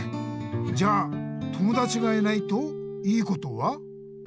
じゃあ友だちがいないといいことは？